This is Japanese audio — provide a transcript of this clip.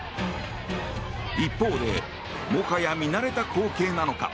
一方でもはや見慣れた光景なのか